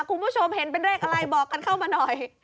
คุณผู้ชมเห็นเป็นเลขอะไรบอกกันเข้ามาหน่อย